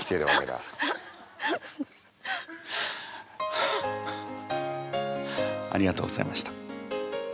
ハハッありがとうございました。